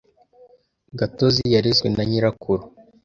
Gatozi yarezwe na nyirakuru.